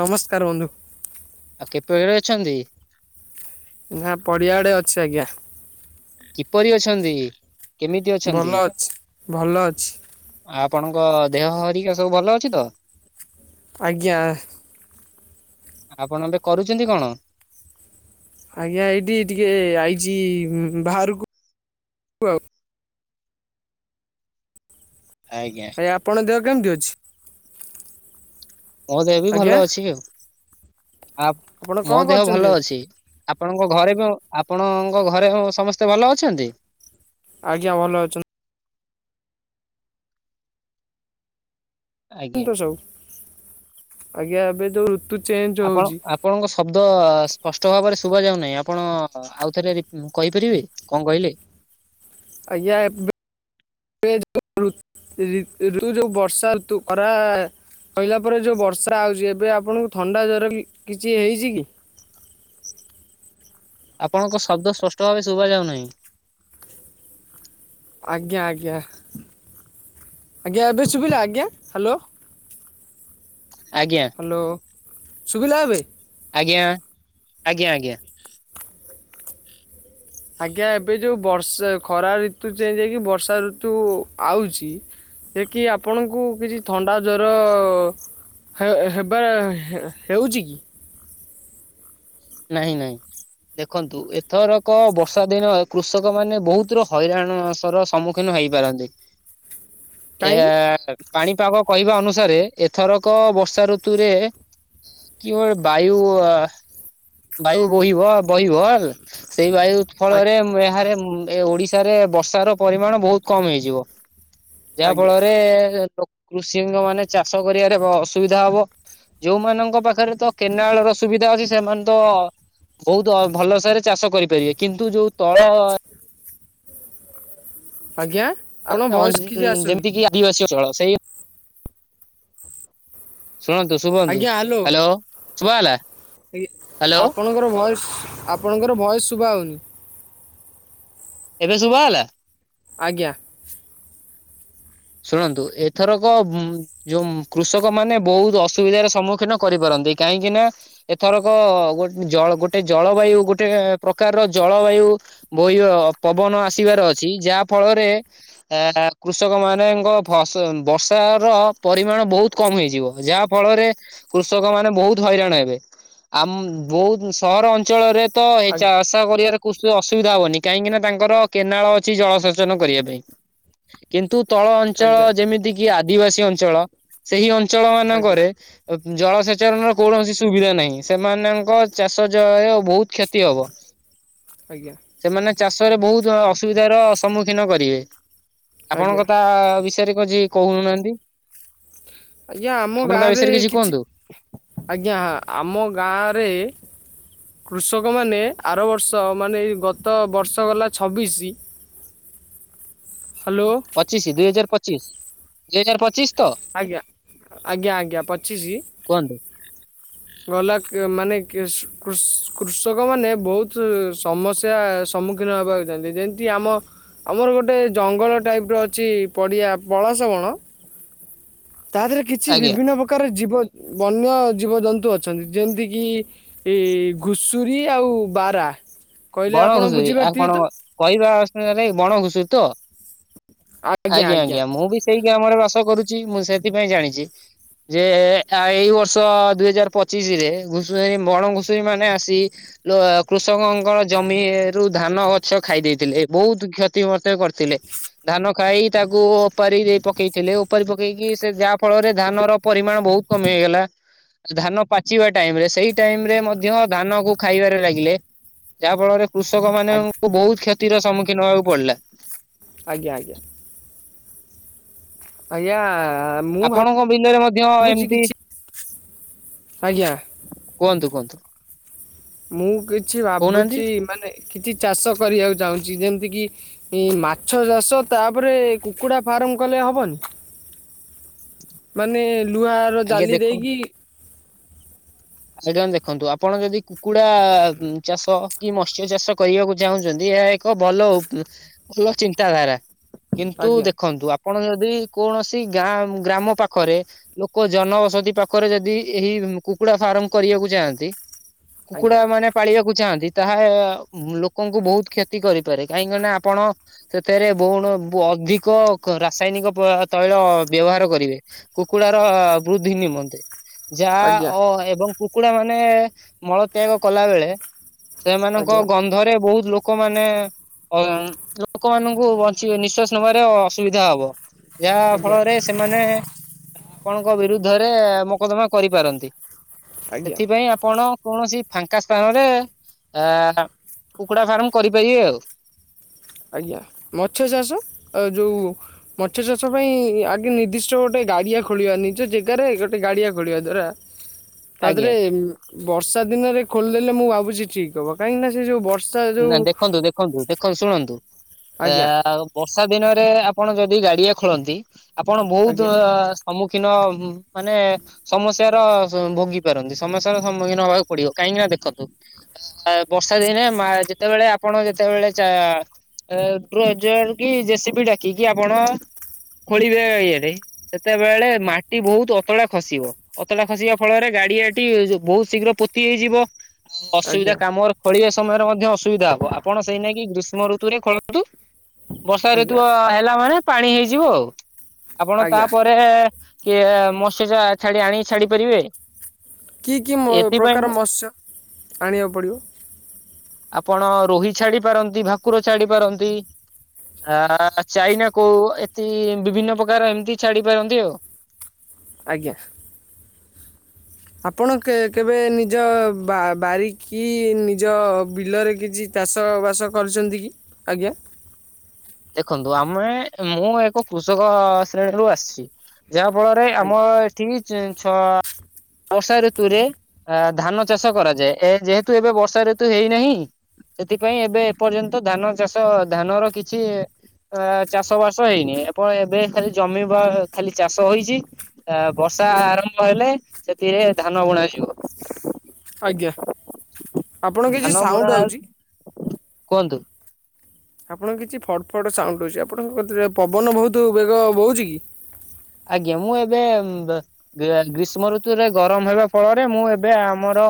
ନମସ୍କାର ବନ୍ଧୁ। ଆଉ [inaudible] ଅଛନ୍ତି। ନା ପଡିଆଡେ ଅଛି ଆଜ୍ଞା। କିପରି ଅଛନ୍ତି କେମିତି ଅଛନ୍ତି? ଭଲ ଅଛି ଭଲ ଅଛି ଆପଣଙ୍କ ଦେହ ହରିକା ସବୁ ଭଲ ଅଛି ତ? ଆଜ୍ଞା। ଆପଣ ଏବେ କରୁଛନ୍ତି କଣ? ଆଜ୍ଞା ଏଇଠି ଟିକେ ଆଇଚି ବାହାରକୁ ଆଉ ଆଜ୍ଞା। ଆପଣ ଦେହ କେମିତି ଅଛି? ମୋ ଦେହ ବି ଆଜ୍ଞା ଭଲ ଅଛି, ଆଉ ଆପଣ ଆ କଣ ମୋ ଦେହ କରୁଛନ୍ତି ଭଲ ଏବେ ଅଛି। ଆପଣଙ୍କ ଘରେ ବି ଆପଣଙ୍କ ଘରେ ସମସ୍ତେ ଭଲ ଅଛନ୍ତି? ଆଜ୍ଞା ଭଲ ଅଛନ୍ତି। ଆଜ୍ଞା। [unintelligible] ଆଜ୍ଞା ଏବେ ଯଉ ରୁ ଆପଣ ଆପଣଙ୍କ ଶବ୍ଦ ସ୍ପଷ୍ଟ ଭାବରେ ଶୁଭା ଯାଉନାହିଁ ଆପଣ ଆଉଥରେ ରି କହିପାରିବେ କଣ କହିଲେ? ଆଜ୍ଞା ଏ ଯୋଉଋୁ ଋ ଯୋଉ ବର୍ଷା ଋତୁ ଖରା [unintelligible] ସଇଲା ପରେ ଯଉ ବର୍ଷା ଆଉଚି ଏବେ ଆପଣଙ୍କୁ ଥଣ୍ଡା ଜର କିଛି ହେଇଛି କି? ଆପଣଙ୍କ ଶବ୍ଦ ସ୍ପଷ୍ଟ ଭାବେ ଶୁଭା ଯାଉନାହିଁ। ଆଜ୍ଞା ଆଜ୍ଞା ଆଜ୍ଞା ଏବେ ଶୁଭିଲା ଆଜ୍ଞା ହ୍ୟାଲୋ। ଆଜ୍ଞା। ହ୍ୟାଲୋ ସୁଭିଲା ଏବେ। ଆଜ୍ଞା ଆଜ୍ଞା ଆଜ୍ଞା। ଆଜ୍ଞା ଏବେ ଯୋଉ ବର୍ଷା ଖରା ଋତୁ ଚେଞ୍ଜ ହେଇକି ବର୍ଷା ଋତୁ ଆଉଛି ଯେ କି ଆପଣଙ୍କୁ କିଛି ଥଣ୍ଡା ଜର ଅ ହେବା ହେଉଚି କି? ନାଇଁ ନାଇଁ। ଦେଖନ୍ତୁ ଏଥରକ ବର୍ଷା ଦିନ କୃଷକ ମାନେ ବହୁତ ର ହଇରାଣ ସର ସମୁ କିନୁ ହେଇପାରନ୍ତି। [inaudible] ଏ ହା ସକ ପାଣିପାଗ କହିବା ଅନୁସାରେ, ଏଥରକ ବର୍ଷା ଋତୁରେ କିଓର ବାୟୁ ଆ। ବାୟୁ ବୋହିବ, ବହିବଲ ସେଇ ବାୟୁ ଆଜ୍ଞା ଫଳରେ ଏହାରେ ମୁ ଓଡିଶ ଶାରେ ବର୍ଷା ର ପରିମାଣ ବହୁତ କମ ହେଇଯିବ। ଯାହା ଆଜ୍ଞା ଫଳରେ ପ୍ରକ କୃଷିଙ୍ଗ ମାନେ, ଚାଷ କରିବାରେ ବ ଅସୁବିଧା ହବ ଯୋଉମାନଙ୍କ ପାଖରେ ତ କେନାଳ ର ସୁବିଧା ଅଛି, ସେମାନେ ତ, ବହୁତ ଅ ଭଲସରେ ଚାଷ କରିପାରିବେ। କିନ୍ତୁ ଯୋଉ ତଳ ଆଜ୍ଞା। ଆପଣ ଅ ଭଏସ୍ ଇ କିଛି ଆସୁନି ଯେମିତି କି ଆ ଠିକ୍ ଅଛି ଷୋହଳ ସେଇ, ଶୁଣନ୍ତୁ ଶୁଭନ୍ତୁ ଆଜ୍ଞା ହ୍ୟାଲୋ ଶୁଭା ହେଲା। ଏଇ, ହ୍ୟାଲୋ ଆପଣଙ୍କର ଭଏସ ଆପଣଙ୍କର ଭଏସ ଶୁଭା ହଉନି। ଏବେ ଶୁଭା ହେଲା। ଆଜ୍ଞା। ଶୁଣନ୍ତୁ, ଏଥରକ ଉଁ ଯୋଉ, କୃଷକ ମାନେ ବହୁତ ଅସୁବିଧାର ସମ୍ମୁଖୀନ କରିପାରନ୍ତି। କାହିଁକି ନା ଏଥରକ, ଗୋଟ ଜଳ ଗୋଟେ ଜଳବାୟୁ ଗୋଟେ ପ୍ରକାରର ଜଳବାୟୁ ବୋହିବ, ପବନ ଆସିବାର ଅଛି। ଯାହା ଫଳରେ ଆ କୃଷକ ମାନ ମେଙ୍କ ଫସ ବର୍ଷା ର ପରିମାଣ ବହୁତ କମ ହେଇଯିବ। ଯାହା ଫଳରେ କୃଷକ ମାନେ ବହୁତ ହଇରାଣ ହେବେ, ଆମ ବହୁତ ସହର ଅଞ୍ଚଳରେ ତ ଏଇ ଚାଷ ଆଜ୍ଞା ଚାଷ କରିବାରେ କୁଷ ଅସୁବିଧା ହବନି। କାହିଁକି ନା ତାଙ୍କର କେନାଳ ଅଛି, ଜଳସେଚନ କରିବା ପାଇଁ। କିନ୍ତୁ, ତଳ ଅଞ୍ଚଳ ଆଜ୍ଞା ଯେମିତି କି ଆଦିବାସୀ ଅଞ୍ଚଳ, ସେଇ ଅଞ୍ଚଳ ଆଜ୍ଞା ମାନଙ୍କରେ ଅବ ଜଳସେଚନର କୌଣସି ସୁବିଧା ନାହିଁ। ସେମାନଙ୍କ ଚାଷ ଜୟ ବହୁତ କ୍ଷତି ହବ। ଆଜ୍ଞା। ସେମାନେ ଚାଷରେ ବହୁତ ଅ ଅସୁବିଧାର ସମ୍ମୁଖୀନ କରିବେ। ଆଜ୍ଞା ଆପଣଙ୍କ ତା ବିଷୟରେ କିଛି କହୁନାହାନ୍ତି? ଆଜ୍ଞା ଆମ ଆପଣ ତା ଗାଁରେ ବିଷୟରେ କିଛି କୁହନ୍ତୁ? ଆଜ୍ଞା, ଆମ ଗାଁରେ କୃଷକମାନେ, ଆର ବର୍ଷ ମାନେ ଏଇ ଗତ ବର୍ଷ ଗଲା ଛବିଶି ହ୍ୟାଲୋ ଚି ସି ଦୁଇ ହଜାର ପଚିଶ, ଦୁଇ ହଜାର ପଚିଶ! ତ ଆଜ୍ଞା, ଆଜ୍ଞା ଆଜ୍ଞା ପଚିଶି! କୁହନ୍ତୁ ଗଲା କି ଏ ମାନେ କିସ କୃଷ କୃଷକ ମାନେ, ବହୁତ ସମସ୍ୟା ସମ୍ମୁଖୀ ଦିନ ହବାକୁ ଚାଉଛନ୍ତି, ଯେମିତି ଆମ ଆମର ଗୋଟେ ଜଙ୍ଗଲ ଟାଇପ୍ର ଅଛି ପଡ଼ିଆ, ପଳସ ବଣ ତା ପରେ କିଛି ଆଜ୍ଞା। ବିଭିନ୍ନ ପ୍ରକ ପ୍ରକାର ଜୀବ ବନ୍ୟ ଜୀବଜନ୍ତୁ ଅଛନ୍ତି। ଯେମିତିକି ଏ ଘୁଷୁରୀ ଆଉ ବାରା କହିଲେ ବଣ ଆପଣ ଘୁଷୁରି, ଆ ବୁଝିପାରିଥିବେ କଣ ତ କହିବା ଅସନରେ ବଣ ଘୁଷ ତ, ଆଜ୍ଞା ଆଜ୍ଞା ମୁଁ ବି ସେଇ ଗ୍ରାମରେ ବାସ କରୁଛି। ମୁଁ ସେଥିପାଇଁ ଜାଣିଛି। ଯେ ଏଇ ବର୍ଷ ଦୁଇ ହଜାର ପଚିଶି ରେ, ଘୁଷଏଁ ବଣ ଘୁଷୁୁରୀ ମାନେ ଆସି ଲୋଏ କୃଷକଙ୍କର ଜମି ଏ ରୁ ଧାନ ଗଛ ଖାଇ ଦେଇଥିଲେ, ବହୁତ କ୍ଷତି ମତେ କରିଥିଲେ। ଧାନ ଖାଇ ତାକୁ ଓପାରି ଦେଇ ପକେଇଥିଲେ ଓପାରି ପକେଇକି ସେ ଯାହା ଫଳରେ ଧାନ ର ପରିମାଣ ବହୁତ। କମ ହେଇଗଲା। ଧାନ ପାଚିବା ଟାଇମ ରେ ସେଇ ଟାଇମ ରେ ମଧ୍ୟ ଧାନ କୁ ଖାଇବାରେ ଲାଗିଲେ। ଯାହା ଫଳରେ କୃଷକ ଆଜ୍ଞା ମାନଙ୍କୁ ବହୁତ କ୍ଷତିର ସମ୍ମୁଖୀନ ହବାକୁ ପଡିଲା। ଆଜ୍ଞା ଆଜ୍ଞା। ଆଜ୍ଞା। ମୁଁ ଆପଣଙ୍କ ବିଲରେ ମଧ୍ୟ ଭାବୁଛି ଏମିତି। କିଛି ଆଜ୍ଞା କୁହନ୍ତୁ କୁହନ୍ତୁ। ମୁଁ କିଛି କହୁନାହାନ୍ତି ଭାବୁଛି ମାନେ କିଛି ଚାଷ କରିବାକୁ ଚାହୁଁଛି ଯେମିତି କି। ଏଇ ମାଛ ଚାଷ ତାପରେ କୁକୁଡ଼ା ଫାର୍ମ କଲେ ହବନି। ମାନେ ଲୁହା ର ଆଜ୍ଞା ଜାଲି ଦେଖ ଦେଇକି। ଆଜ୍ଞା ଦେଖନ୍ତୁ ଆପଣ ଯଦି କୁକୁଡା ଚାଷ। କି ମତ୍ସ୍ୟ ଚାଷ କରିବାକୁ ଚାହୁଁଛନ୍ତି ଏହା ଏକ ଭଲ ଉ ଚିନ୍ତାଧାରା। କିନ୍ତୁ ଆଜ୍ଞା ଦେଖନ୍ତୁ ଆପଣ ଯଦି କୌଣସି ଗାଁ, ଗ୍ରାମ ପାଖରେ ଲୋକ ଜନବସତି ପାଖରେ ଯଦି ଏହି କୁକୁଡା ଫାର୍ମ କରିବାକୁ ଯାଆନ୍ତି କୁକୁଡା ଆଜ୍ଞା ମାନେ। ପାଳିବାକୁ ଚାହାଁନ୍ତି ତାହା ଲୋକଙ୍କୁ ବହୁତ କ୍ଷତି କରିପାରେ କାହିଁକିନା ଆପଣ ସେଥିରେ ବହୁଣ ବ ଅଧିକ ରାସାୟନିକ ପଆ ତୈଳ ବ୍ୟବହାର କରିବେ। କୁକୁଡ଼ାର ବୃଦ୍ଧି ନିମନ୍ତେ। ଯା ଆଜ୍ଞା ଅ ଏବଂ କୁକୁଡା ମାନେ ମଳତ୍ୟାଗ କଲା ବେଳେ। ସେମାନଙ୍କ ଆଜ୍ଞା ଗନ୍ଧରେ ବହୁତ ଲୋକମାନେ। ଅଃ ଲୋକମାନଙ୍କୁ ବଞ୍ଚି ନିଶ୍ବାସ ନେବାରେ ଅସୁବିଧା ହବ। ଯାହା ଆଜ୍ଞା ଫଳରେ ସେମାନେ ଆପଣଙ୍କ ବିରୁଦ୍ଧରେ ମକଦ୍ଦମା କରିପାରନ୍ତି। ଆଜ୍ଞା ସେଥିପାଇଁ ଆପଣ କୌଣସି ଫାଙ୍କା ସ୍ଥାନରେ ଆ କୁକୁଡା ଫାର୍ମ କରିପାରିବେ ଆଉ। ଆଜ୍ଞା, ମତ୍ସ୍ୟ ଚାଷ ଆ ଯୋଉ ମତ୍ସ୍ୟ ଚାଷ ପାଇଁ ଆଗେ ନିର୍ଦ୍ଦିଷ୍ଟ ଗୋଟେ ଗାଡିଆ ଖୋଳିବା ନିଜ ଜେଗାରେ ଗୋଟେ ଗାଡିଆ ଖୋଳିବା ଦ୍ଵାରା [unintelligible] ତା ଆଜ୍ଞା। ଦେହରେ ବର୍ଷା ଦିନରେ ଖୋଲିଦେଲେ ମୁଁ ଭାବୁଛି ଠିକ ହବ କାହିଁକିନା ସେ ଯୋଉ ବ ନା ଦେଖନ୍ତୁ-ଦେଖନ୍ତୁ-ଦେଖନ୍ତୁ, ଶୁଣନ୍ତୁ ଆଜ୍ଞା ଆ ବର୍ଷା ଦିନରେ ଆପଣ ଯଦି ଗାଡ଼ିଆ ଖୋଳନ୍ତି ଆପଣ ବହୁତ ଆଜ୍ଞା ସମ୍ମୁଖୀନ ମାନେ ସମସ୍ୟାର ଭୋଗି ପାରନ୍ତି ସମସ୍ୟାର ସମ୍ମୁଖୀନ ହବାକୁ ପଡିବ କାହିଁକି ନା ଦେଖନ୍ତୁ ଆ ବର୍ଷା ଦିନେ ମା ଯେତେବେଳେ ଆପଣ ଯେତେବେଳେ ଚା ଏ ଟ୍ରୋଜର କି ଜେସିବି ଡାକି କି ଆପଣ ଖୋଳିବେ ଇଏରେ। ସେତେବେଳେ ମାଟି ବହୁତ ଅତଡା ଖସିବ। ଅତଡ଼ା ଖସିବା ଫଳରେ ଗାଡିଆଟି ବହୁତ ଶୀଘ୍ର ପୋତି ହେଇଯିବ। ଆଜ୍ଞା ଅସୁବିଧା କାମର ଖୋଳିବା ସମୟରେ ମଧ୍ୟ ଅସୁବିଧା ହବ ଆପଣ ସେଇ ନାକି ଗ୍ରୀଷ୍ମ ଋତୁରେ ଖୋଳନ୍ତୁ ବର୍ଷା ଆଜ୍ଞା ଋତୁ ଆ ହେଲା ମାନେ ପାଣି ହେଇଯିବ ଆଉ ଆପଣ ଆଜ୍ଞା ତାପରେ କିଏ ମସୀଜା ଛାଡି ଆଣିି ଛାଡି ପାରିବେ। କି-କି-ମ ଏଥିପାଇଁ ପ୍ରକାର ମତ୍ସ୍ୟ ଆଣିବାକୁ ପଡ଼ିବ। ଆପଣ ରୋହି ଛାଡି ପାରନ୍ତି ଭାକୁର ଛାଡି ପାରନ୍ତି। ଆ ଚାଇନା କୋଉ ଏତି ବିଭିନ୍ନ ପ୍ରକାର ଏମିତି ଛାଡି ପାରନ୍ତି ଆଉ। ଆଜ୍ଞା। ଆପଣ କେବେ ନିଜ ବାରି ବାରିକି ନିଜ ବିଲରେ କିଛି ଚାଷ ବାସ କରିଚନ୍ତି କି? ଆଜ୍ଞା। ଦେଖନ୍ତୁଆମେ ମୁଁ ଏକ କୃଷକ ଶ୍ରେଣୀରୁୁ ଆସିଚି। ଯାହା ଫଳରେ ଆଜ୍ଞା ଆମ ଏଠି ଛଅ ବର୍ଷା ଋତୁରେ ଅ ଧାନ ଚାଷ କରାଯାଏ ଏ ଯେହେତୁ ଏବେ ବର୍ଷା ଋତୁ ହେଇନାହିଁ। ସେଥିପାଇଁ ଏବେ ଏପର୍ଯ୍ୟନ୍ତ ଧାନ ଚାଷ ଧାନର କିଛି କିଛି ଅ ଚାଷ ବାସ ହେଇନି। ଏପ ଏବେ ଖାଲି ଜମି ବା ଖାଲି ଚାଷ ହୋଇଛି। ଆ ବର୍ଷା ଆରମ୍ଭ ହେଲେ ସେଥିରେ ଧାନ ବୁଣାଯିବ। ଆଜ୍ଞା। ଆପଣ କିଛି ଧାନ ବୁଣା ସାଉଣ୍ଡ ଆଉଛି ଆଉ କୁହନ୍ତୁ। ଆପଣଙ୍କ କିଛି ଫଡ୍ ଫଡ୍ ସାଉଣ୍ଡ ହେଉଚି। ଆପଣଙ୍କ କତିରେ ପବନ ବହୁତ୍ ବେଗ ବହୁଛି କି? ଆଜ୍ଞା ମୁଁ ଏବେ ଗ୍ରୀଷ୍ମ ଋତୁରେ ଗରମ ହେବା ଫଳରେ ମୁଁ ଏବେ ଆମର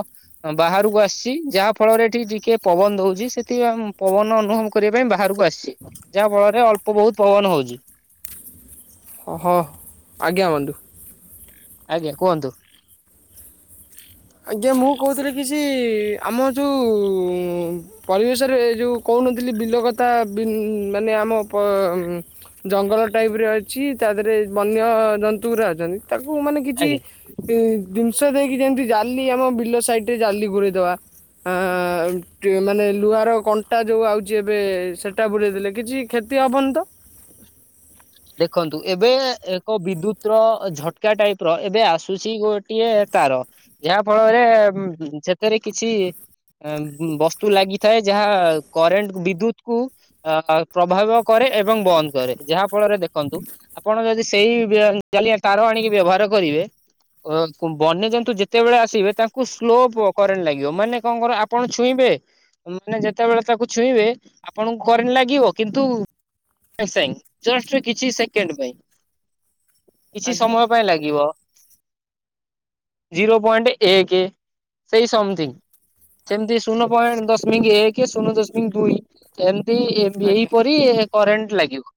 ବାହାରକୁ ଆସିଛି ଯାହା ଫଳରେ ଏଠି ଟିକେ ପବନ ଦଉଛି। ସେଠି ଆ ପବନ ଅନୁଭବକୁ କରିବା ପାଇଁ ବାହାରକୁ ଆସଚି। ଯାହା ଫଳରେ ଅଳ୍ପ ବହୁତ୍ ପବନ ହଉଚି। ହ ହଁ ଆଜ୍ଞା ବନ୍ଧୁ। ଆଜ୍ଞା କୁହନ୍ତୁ? ଆଜ୍ଞା ମୁଁ କହୁଥିଲି କି ସେ ଆମ ଯେଉଁ ପରିବେଶରେ ଏ ଯେଉଁ କହୁନଥିଲି ବିଲ କଥା ମାନେ ବି ଆମ ପ ଜଙ୍ଗଲ ଟାଇପ୍ ରେ ଅଛି ତା ଦେହରେ ବନ୍ୟ ଜନ୍ତୁଗୁରା ଅଛନ୍ତି ତାକୁ ମାନେ କିଛି ଆଜ୍ଞା। ଜିନିଷ ଦେଇକି ଯେମିତି ଜାଲି ଆମ ବିଲ ସାଇଟ୍ ରେ ଜାଲି ଘୁରେଇ ଦବା। ଆ ମାନେ ଲୁହାର କଣ୍ଟା ଯୋଉ ଆଉଚି ଏବେ ସେଟା ବୁଡେଇ ଦେଲେ କିଛି କ୍ଷତି ଅବନି ତ। ଦେଖନ୍ତୁ ଏବେ ଏକ ବିଦ୍ୟୁତ୍ ର ଝଟକା ଟାଇପ୍ ର ଏବେ ଆସୁଚି ଗୋ ଟିଏ ତାର ଯାହା ଫଳରେ ସେଥିରେ କିଛି ବସ୍ତୁ ଲାଗିଥାଏ ଯାହା କରେଣ୍ଟ ବିଦ୍ୟୁତ୍ କୁ ଆ ପ୍ରଭାବ କରେ ଏବଂ ବନ୍ଦ କରେ ଯାହା ଫଳରେ ଦେଖନ୍ତୁ ଆପଣ ଯଦି ସେଇ ଜାଲି ତାର ଆଣିକି ବ୍ୟବହାର କରିବେ। ବନ୍ୟଜନ୍ତୁ ଯେତେବେଳେ ଆସିବେ ତାଙ୍କୁ ସ୍ଲୋ କରେଣ୍ଟ୍ ଲାଗିବ ମାନେ କଣ କର ଆପଣ ଛୁଇଁବେ ମାନେ ଯେତେବେଳେ ତାକୁ ଛୁଇଁବେ ଆପଣଙ୍କୁ କରେଣ୍ଟ ଲାଗିବ କିନ୍ତୁ ସେଇଁ ଜଷ୍ଟ କିଛି ସେକେଣ୍ଡ୍ ପାଇଁ କିଛି ଆଜ୍ଞା ସମୟ ପାଇଁ ଲାଗିବ। ଜିରୋ ପଏଣ୍ଟ ଏକ ସେଇ ସମଥିଙ୍ଗ୍ ଆଜ୍ଞା ସେମିତି ଶୂନ ପଏଣ୍ଟ ଦଶମିକ ଏକ ଶୂନ ଦଶମିକ ଦୁଇ ଏମତି ଏ ଆଜ୍ଞା ଏଇପରି କରେଣ୍ଟ ଲାଗିବ।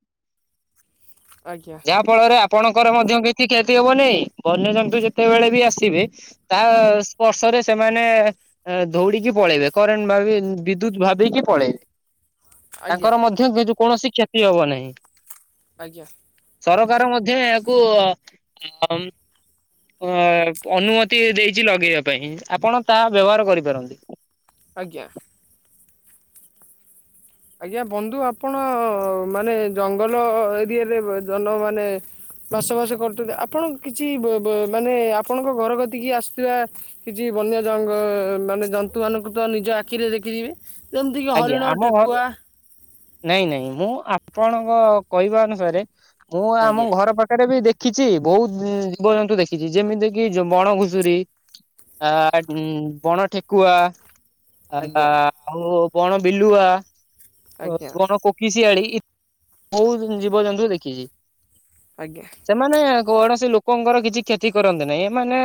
ଆଜ୍ଞା। ଯହା ଫଳରେ ଆପଣଙ୍କର ମଧ୍ୟ କିଛି କ୍ଷତି ହବନି ବନ୍ୟଜନ୍ତୁ ଯେତେବେଳେ ବି ଆସିବେ ତା ସ୍ପର୍ଶରେ ସେମାନେ ଦଉଡିକି ପଳେଇବେ କରେଣ୍ଟ ଭ ବିଦ୍ୟୁତ ଭାବିକି ପଳେଇବେ। ଆଜ୍ଞା ତାଙ୍କର ମଧ୍ୟ କି କୌଣସି କ୍ଷତି ହବ ନାହିଁ। ଆଜ୍ଞା। ସରକାର ମଧ୍ୟ ଏହାକୁ ଅ ଅନୁମତି ଦେଇଚି ଲଗେଇବା ପାଇଁ ଆପଣ ତାହା ବ୍ୟବହାର କରିପାରନ୍ତି। ଆଜ୍ଞା। ଆଜ୍ଞା ବନ୍ଧୁ ଆପଣ ମାନେ ଜଙ୍ଗଲ ଏରିଆରେ ଜନ ମାନେ ମାସ ମାସ କରଚନ୍ତି ଆପଣ କିଛି ମାନେ ଆପଣଙ୍କ ଘର କତିକି ଆସୁଥିବା କିଛି ବନ୍ୟ ଜ ମାନେ ଜନ୍ତୁମାନଙ୍କୁ ତ ନିଜ ଆଖିରେ ଦେଖିବି। ଆଜ୍ଞା ଆମ ଘର ନାଇଁ ନାଇଁ ମୁଁ ଆପଣଙ୍କ କହିବା ଅନୁସାରେ ମୁଁ ଆମ ଆଜ୍ଞା। ଘର ପାଖରେ ବି ଦେଖ ଖିଛି ବହୁତ ଜୀବଜନ୍ତୁ ଦେଖିଛି ଯେମିତି କି ବଣ ଘୁଷୁରୀ। ଆ ବଣ ଠେକୁଆ। ଆ ଆଜ୍ଞା ଆଉ କଣ ବିଲୁଆ ଆଜ୍ଞା କଣ କୋକିଶିଆଳି ଇ ବୋହୁତ୍ ଜୀବଜନ୍ତୁ ଦେଖିଛି। ଆଜ୍ଞା। ସେମାନେ କୌଣସି ଲୋକଙ୍କର କିଛି କ୍ଷତି କରନ୍ତି ନାହିଁ ଏମାନେ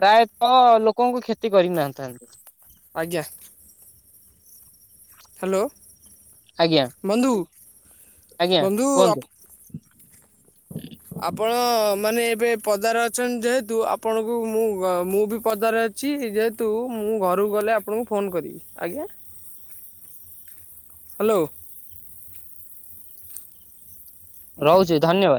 ପ୍ରାୟତଃ ଲୋକଙ୍କୁ କ୍ଷତି କରିନଥାନ୍ତି। ଆଜ୍ଞା। ହ୍ୟାଲୋ। ଆଜ୍ଞା। ବନ୍ଧୁ ବନ୍ଧୁ ଆପ ହଁ ଆପଣ ମାନେ ଏବେ ପଦାରେ ଅଛନ୍ତି ଯେହେତୁ ଆପଣଙ୍କୁ ମୁଁ ମୁଁ ବି ପଦାରେ ଅ ଅଛି ଯେହେତୁ ମୁଁ ଘରକୁ ଗଲେ ଆପଣଙ୍କୁ ଫୋନ୍ କରିବି ଆଜ୍ଞା। ହ୍ୟାଲୋ। ରହୁଛି ଧନ୍ୟବାଦ।